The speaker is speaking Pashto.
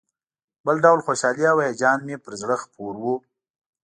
بل ډول خوشالي او هیجان مې پر زړه خپور و.